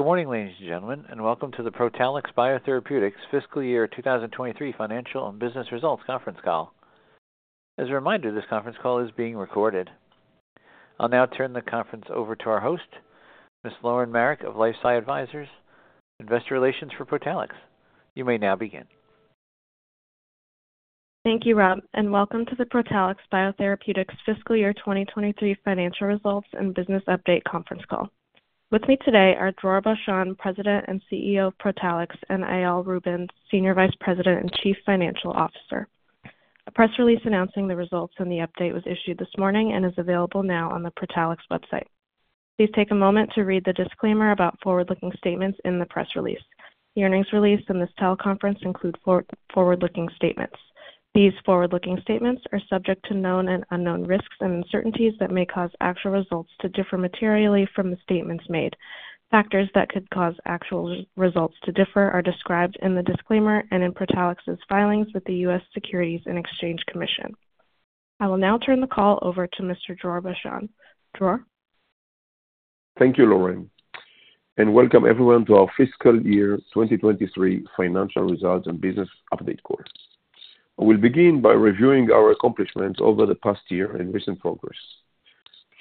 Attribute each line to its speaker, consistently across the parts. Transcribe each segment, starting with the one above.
Speaker 1: Good morning, ladies and gentlemen, and welcome to the Protalix BioTherapeutics fiscal year 2023 financial and business results conference call. As a reminder, this conference call is being recorded. I'll now turn the conference over to our host, Ms. Lauren Marek of LifeSci Advisors, Investor Relations for Protalix. You may now begin.
Speaker 2: Thank you, Rob, and welcome to the Protalix BioTherapeutics fiscal year 2023 financial results and business update conference call. With me today are Dror Bashan, President and CEO of Protalix, and Eyal Rubin, Senior Vice President and Chief Financial Officer. A press release announcing the results and the update was issued this morning and is available now on the Protalix website. Please take a moment to read the disclaimer about forward-looking statements in the press release. The earnings released in this teleconference include forward-looking statements. These forward-looking statements are subject to known and unknown risks and uncertainties that may cause actual results to differ materially from the statements made. Factors that could cause actual results to differ are described in the disclaimer and in Protalix's filings with the U.S. Securities and Exchange Commission. I will now turn the call over to Mr. Dror Bashan. Dror?
Speaker 3: Thank you, Lauren, and welcome everyone to our fiscal year 2023 financial results and business update call. I will begin by reviewing our accomplishments over the past year and recent progress.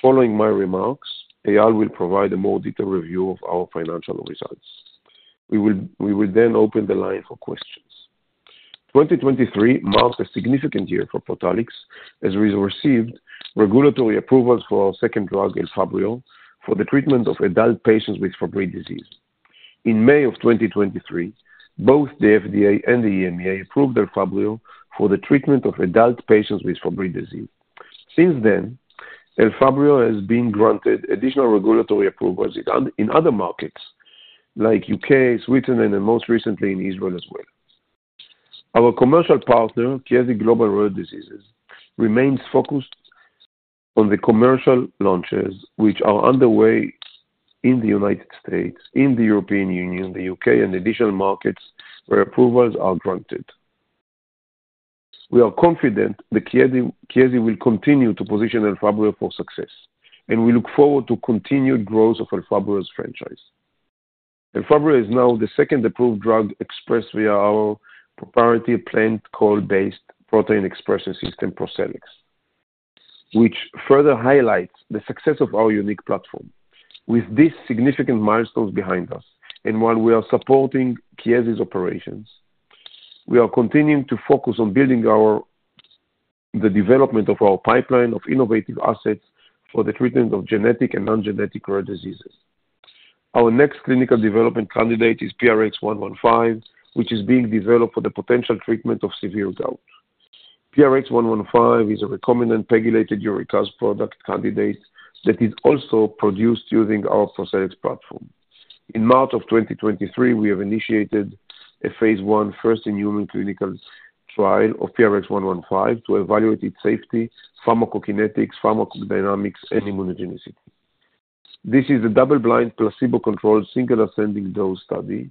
Speaker 3: Following my remarks, Eyal will provide a more detailed review of our financial results. We will then open the line for questions. 2023 marked a significant year for Protalix as we received regulatory approvals for our second drug, Elfabrio, for the treatment of adult patients with Fabry disease. In May of 2023, both the FDA and the EMEA approved Elfabrio for the treatment of adult patients with Fabry disease. Since then, Elfabrio has been granted additional regulatory approvals in other markets like UK, Switzerland, and most recently in Israel as well. Our commercial partner, Chiesi Global Rare Diseases, remains focused on the commercial launches which are underway in the United States, in the European Union, the UK, and additional markets where approvals are granted. We are confident the Chiesi will continue to position Elfabrio for success, and we look forward to continued growth of Elfabrio's franchise. Elfabrio is now the second approved drug expressed via our proprietary plant-cell-based protein expression system, ProCellEx, which further highlights the success of our unique platform. With these significant milestones behind us, and while we are supporting Chiesi's operations, we are continuing to focus on building the development of our pipeline of innovative assets for the treatment of genetic and non-genetic rare diseases. Our next clinical development candidate is PRX-115, which is being developed for the potential treatment of severe gout. PRX-115 is a recombinant PEGylated uric acid product candidate that is also produced using our ProCellEx platform. In March of 2023, we have initiated a Phase 1, first-in-human clinical trial of PRX-115 to evaluate its safety, pharmacokinetics, pharmacodynamics, and immunogenicity. This is a double-blind placebo-controlled single-ascending dose study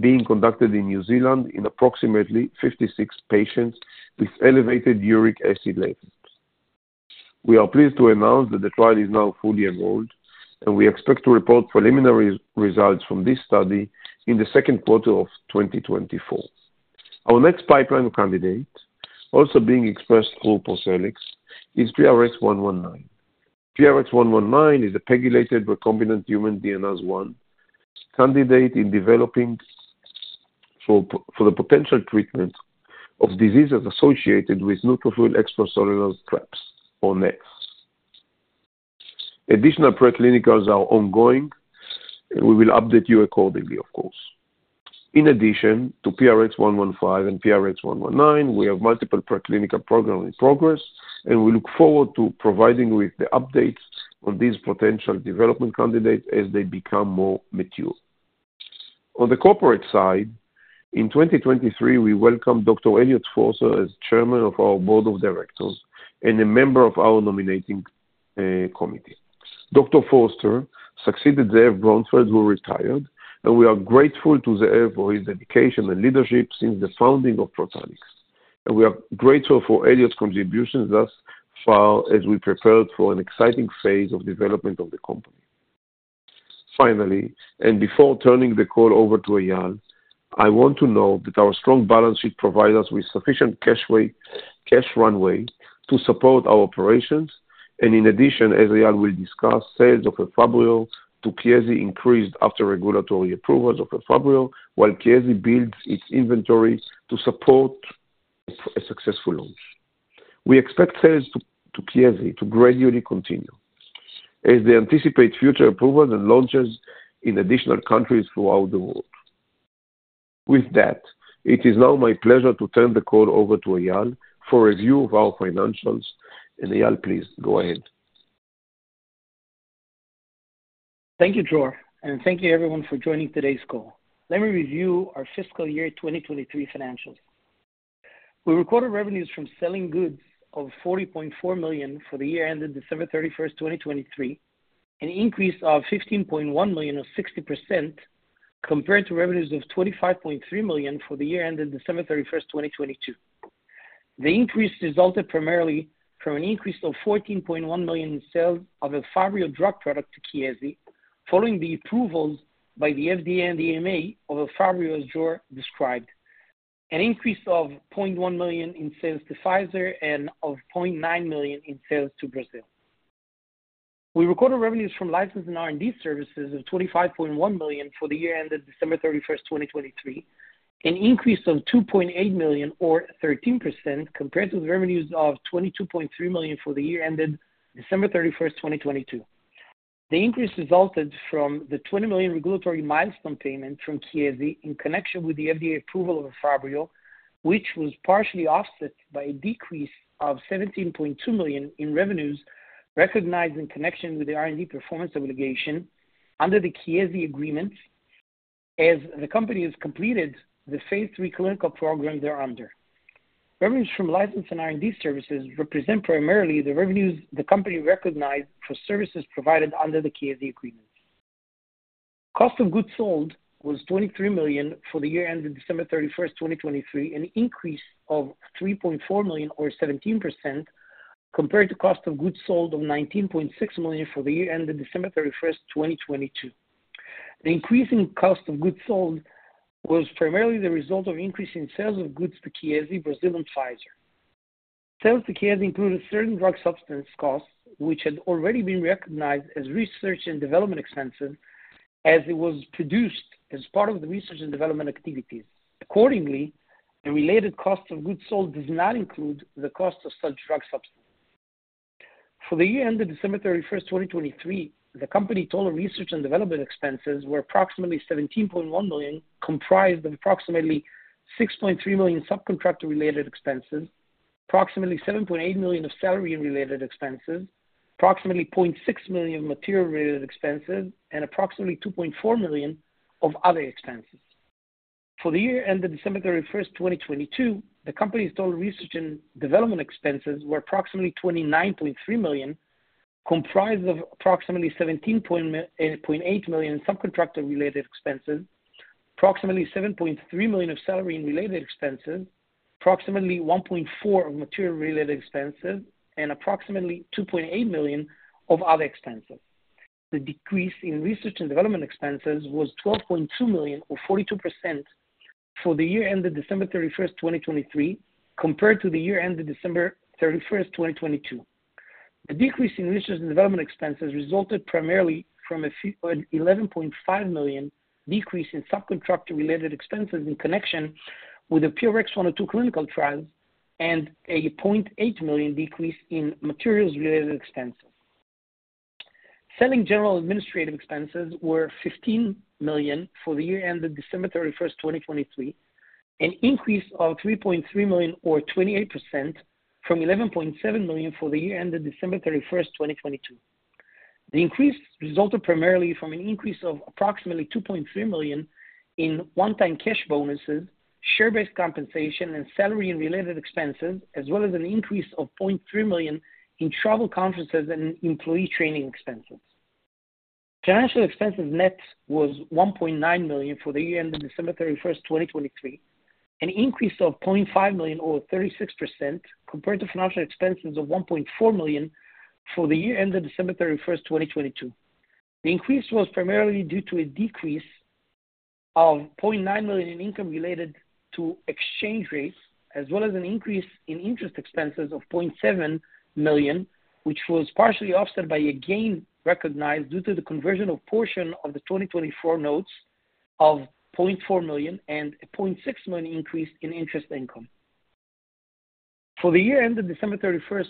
Speaker 3: being conducted in New Zealand in approximately 56 patients with elevated uric acid levels. We are pleased to announce that the trial is now fully enrolled, and we expect to report preliminary results from this study in the second quarter of 2024. Our next pipeline candidate, also being expressed through ProCellEx, is PRX-119. PRX-119 is a PEGylated recombinant human DNase I candidate in development for the potential treatment of diseases associated with neutrophil extracellular traps, or NETs. Additional pre-clinicals are ongoing, and we will update you accordingly, of course. In addition to PRX-115 and PRX-119, we have multiple pre-clinical programs in progress, and we look forward to providing you with the updates on these potential development candidates as they become more mature. On the corporate side, in 2023, we welcomed Dr. Eliot Forster as chairman of our board of directors and a member of our nominating committee. Dr. Forster succeeded Zeev Bronfeld, who retired, and we are grateful to Zeev for his dedication and leadership since the founding of Protalix. We are grateful for Eliot's contributions thus far as we prepared for an exciting phase of development of the company. Finally, and before turning the call over to Eyal, I want to note that our strong balance sheet provides us with sufficient cash runway to support our operations, and in addition, as Eyal will discuss, sales of Elfabrio to Chiesi increased after regulatory approvals of Elfabrio while Chiesi builds its inventory to support a successful launch. We expect sales to Chiesi to gradually continue as they anticipate future approvals and launches in additional countries throughout the world. With that, it is now my pleasure to turn the call over to Eyal for review of our financials, and Eyal, please go ahead.
Speaker 4: Thank you, Dror, and thank you, everyone, for joining today's call. Let me review our fiscal year 2023 financials. We recorded revenues from selling goods of $40,400,000 for the year ended December 31st, 2023, an increase of $15,100,000 or 60% compared to revenues of $25,300,000 for the year ended December 31st, 2022. The increase resulted primarily from an increase of $14,100,000 in sales of Elfabrio drug product to Chiesi following the approvals by the FDA and the EMA of Elfabrio, as Dror described, an increase of $100,000 in sales to Pfizer and of $900,000 in sales to Brazil. We recorded revenues from licensing R&D services of $25,100,000 for the year ended December 31st, 2023, an increase of $2,800,000 or 13% compared to the revenues of $22,300,000 for the year ended December 31st, 2022. The increase resulted from the $20,000,000 regulatory milestone payment from Chiesi in connection with the FDA approval of Elfabrio, which was partially offset by a decrease of $17,200,000 in revenues recognized in connection with the R&D performance obligation under the Chiesi agreements as the company has completed the Phase 3 clinical program thereunder. Revenues from licensing R&D services represent primarily the revenues the company recognized for services provided under the Chiesi agreements. Cost of goods sold was $23,000,000 for the year ended December 31st, 2023, an increase of $3,400,000 or 17% compared to cost of goods sold of $19,600,000 for the year ended December 31st, 2022. The increase in cost of goods sold was primarily the result of an increase in sales of goods to Chiesi Brazil and Pfizer. Sales to Chiesi included certain drug substance costs, which had already been recognized as research and development expenses as it was produced as part of the research and development activities. Accordingly, the related cost of goods sold does not include the cost of such drug substances. For the year ended December 31st, 2023, the company's total research and development expenses were approximately $17,100,000, comprised of approximately $6,3000,000 subcontractor-related expenses, approximately $7,800,000 of salary-related expenses, approximately $600,000 of material-related expenses, and approximately $2,400,000 of other expenses. For the year ended December 31st, 2022, the company's total research and development expenses were approximately $29,300,000, comprised of approximately $17,800,000 in subcontractor-related expenses, approximately $7,3000,000 of salary-related expenses, approximately $1,400,000 of material-related expenses, and approximately $2,800,000 of other expenses. The decrease in research and development expenses was $12,200,000 or 42% for the year ended December 31st, 2023, compared to the year ended December 31st, 2022. The decrease in research and development expenses resulted primarily from an $11,500,000 decrease in subcontractor-related expenses in connection with the PRX-102 clinical trials and a $800,00 decrease in materials-related expenses. Selling general administrative expenses were $15,000,000 for the year ended December 31st, 2023, an increase of $3,300,000 or 28% from $11,700,000 for the year ended December 31st, 2022. The increase resulted primarily from an increase of approximately $2,300,000 in one-time cash bonuses, share-based compensation, and salary-related expenses, as well as an increase of $300,000 in travel conferences and employee training expenses. Financial expenses, net, was $1,900,000 for the year ended December 31st, 2023, an increase of $500,000 or 36% compared to financial expenses of $1.,400,000 for the year ended December 31st, 2022. The increase was primarily due to a decrease of $900,000 in income related to exchange rates, as well as an increase in interest expenses of $700,000, which was partially offset by a gain recognized due to the conversion of a portion of the 2024 notes of $400,000 and a $600,000 increase in interest income. For the year ended December 31st,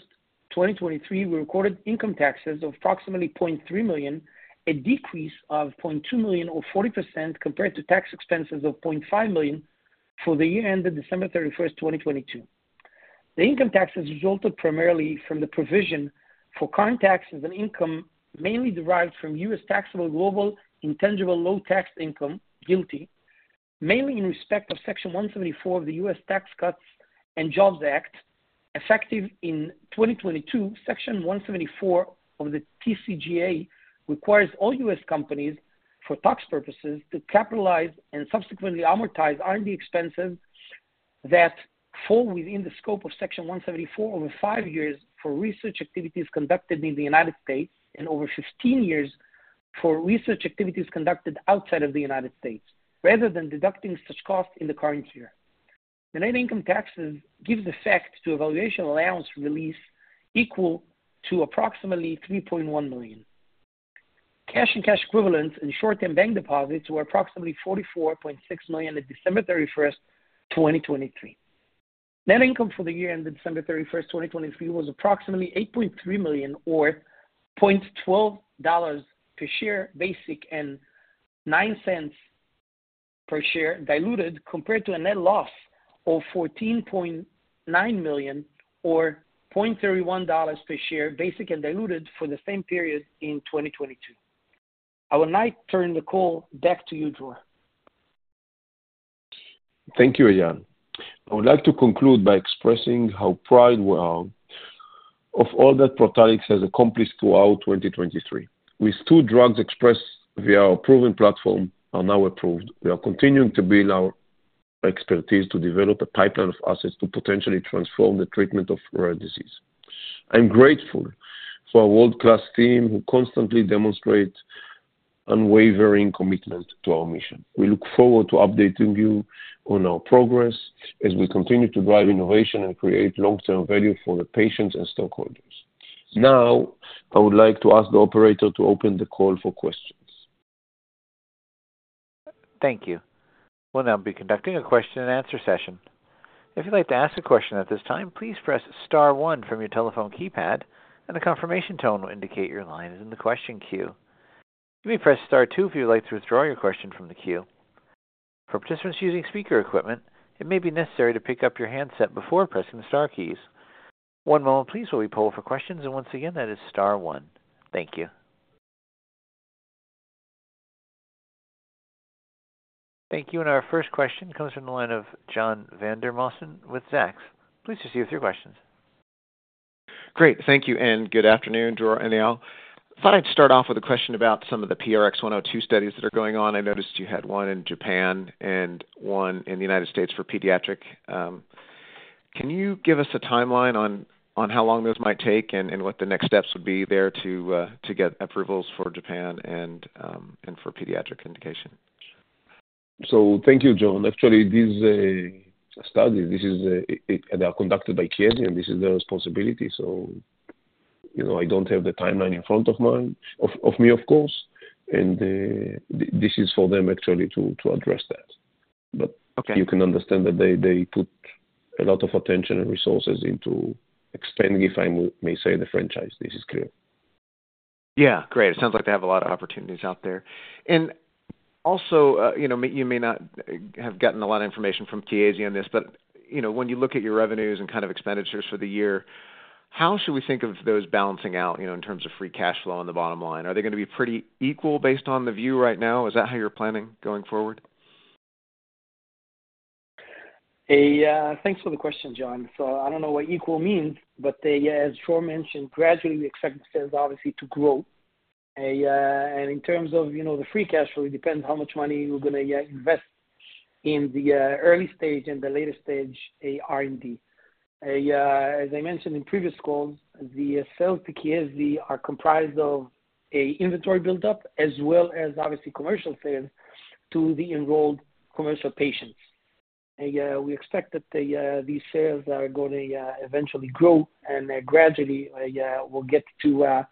Speaker 4: 2023, we recorded income taxes of approximately $300,000, a decrease of $200,000 or 40% compared to tax expenses of $500,000 for the year ended December 31st, 2022. The income taxes resulted primarily from the provision for current taxes and income mainly derived from U.S. Taxable Global Intangible Low-Taxed Income, GILTI, mainly in respect of Section 174 of the U.S. Tax Cuts and Jobs Act. Effective in 2022, Section 174 of the TCJA requires all U.S. companies, for tax purposes, to capitalize and subsequently amortize R&D expenses that fall within the scope of Section 174 over five years for research activities conducted in the United States and over 15 years for research activities conducted outside of the United States, rather than deducting such costs in the current year. The net income taxes give effect to evaluation allowance release equal to approximately $3,100,000. Cash and cash equivalents in short-term bank deposits were approximately $44,600,000 at December 31st, 2023. Net income for the year ended December 31st, 2023, was approximately $8,300,000 or $0.12 per share basic and $0.09 per share diluted compared to a net loss of $14,900,000 or $0.31 per share basic and diluted for the same period in 2022. I will now turn the call back to you, Dror.
Speaker 3: Thank you, Eyal. I would like to conclude by expressing how proud we are of all that Protalix has accomplished throughout 2023. With two drugs expressed via our proven platform, are now approved, we are continuing to build our expertise to develop a pipeline of assets to potentially transform the treatment of rare disease. I'm grateful for our world-class team who constantly demonstrate unwavering commitment to our mission. We look forward to updating you on our progress as we continue to drive innovation and create long-term value for the patients and stakeholders. Now, I would like to ask the operator to open the call for questions.
Speaker 1: Thank you. We'll now be conducting a question-and-answer session. If you'd like to ask a question at this time, please press star one from your telephone keypad, and the confirmation tone will indicate your line is in the question queue. You may press star two if you'd like to withdraw your question from the queue. For participants using speaker equipment, it may be necessary to pick up your handset before pressing the star keys. One moment, please, while we pull for questions, and once again, that is star one. Thank you. Thank you. Our first question comes from the line of John Vandermosten with Zacks. Please proceed with your questions.
Speaker 5: Great. Thank you, and good afternoon, Dror and Eyal. Thought I'd start off with a question about some of the PRX-102 studies that are going on. I noticed you had one in Japan and one in the United States for pediatric. Can you give us a timeline on how long those might take and what the next steps would be there to get approvals for Japan and for pediatric indication?
Speaker 3: So thank you, John. Actually, these studies, they are conducted by Chiesi, and this is their responsibility, so I don't have the timeline in front of me, of course, and this is for them, actually, to address that. But you can understand that they put a lot of attention and resources into Elfabrio, I may say, the franchise. This is clear.
Speaker 5: Yeah. Great. It sounds like they have a lot of opportunities out there. And also, you may not have gotten a lot of information from Chiesi on this, but when you look at your revenues and kind of expenditures for the year, how should we think of those balancing out in terms of free cash flow on the bottom line? Are they going to be pretty equal based on the view right now? Is that how you're planning going forward?
Speaker 4: Thanks for the question, John. So I don't know what equal means, but as Dror mentioned, gradually, we expect sales, obviously, to grow. And in terms of the free cash flow, it depends how much money we're going to invest in the early stage and the later stage R&D. As I mentioned in previous calls, the sales to Chiesi are comprised of an inventory buildup as well as, obviously, commercial sales to the enrolled commercial patients. We expect that these sales are going to eventually grow, and gradually, we'll get to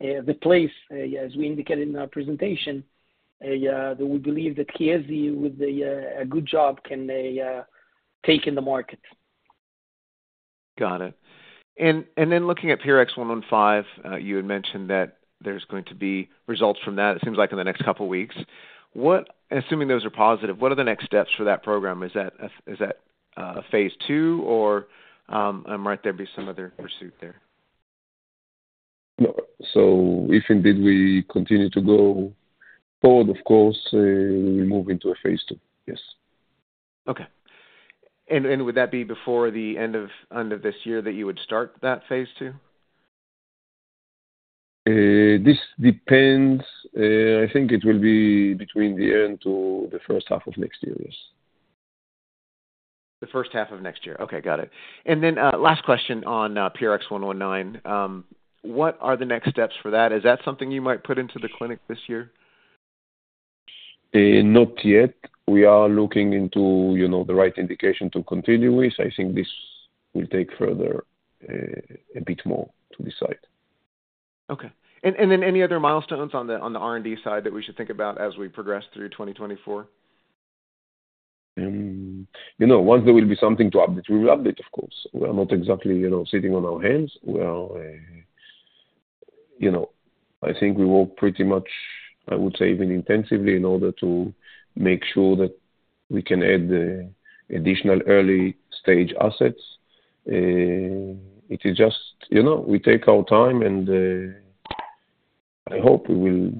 Speaker 4: the place, as we indicated in our presentation, that we believe that Chiesi, with a good job, can take in the market.
Speaker 5: Got it. Then looking at PRX-115, you had mentioned that there's going to be results from that, it seems like, in the next couple of weeks. Assuming those are positive, what are the next steps for that program? Is that phase 2, or might there be some other pursuit there?
Speaker 3: If indeed we continue to go forward, of course, we'll move into a Phase 2. Yes.
Speaker 5: Okay. Would that be before the end of this year that you would start that phase 2?
Speaker 3: This depends. I think it will be between the end to the first half of next year. Yes.
Speaker 5: The first half of next year. Okay. Got it. And then last question on PRX-119. What are the next steps for that? Is that something you might put into the clinic this year?
Speaker 3: Not yet. We are looking into the right indication to continue with. I think this will take further a bit more to decide.
Speaker 5: Okay. And then any other milestones on the R&D side that we should think about as we progress through 2024?
Speaker 3: Once there will be something to update, we will update, of course. We are not exactly sitting on our hands. I think we work pretty much, I would say, even intensively in order to make sure that we can add additional early-stage assets. It is just we take our time, and I hope we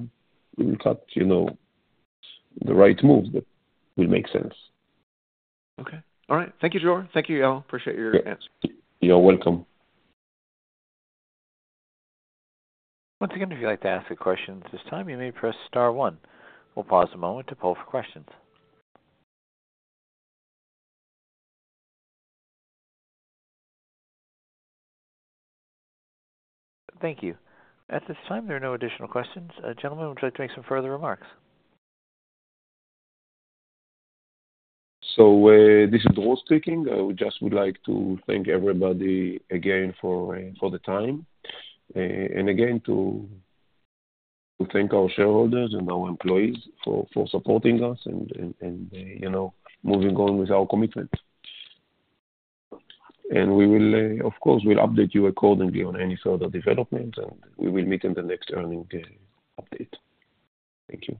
Speaker 3: will cut the right moves that will make sense.
Speaker 5: Okay. All right. Thank you, Dror. Thank you, Eyal. Appreciate your answers.
Speaker 3: You're welcome.
Speaker 1: Once again, if you'd like to ask a question at this time, you may press star one. We'll pause a moment to pull for questions. Thank you. At this time, there are no additional questions. Gentlemen, would you like to make some further remarks?
Speaker 3: This is Dror speaking. I just would like to thank everybody again for the time and again to thank our shareholders and our employees for supporting us and moving on with our commitment. Of course, we'll update you accordingly on any further developments, and we will meet in the next earnings update. Thank you.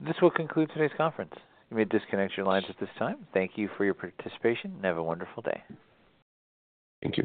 Speaker 1: This will conclude today's conference. You may disconnect your lines at this time. Thank you for your participation. Have a wonderful day.
Speaker 3: Thank you.